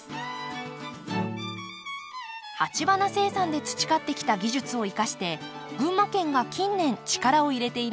鉢花生産で培ってきた技術を生かして群馬県が近年力を入れているのがカーネーション。